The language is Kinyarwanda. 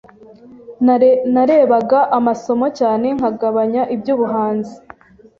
Narebaga amasomo cyane nkagabanya iby’ubuhanzi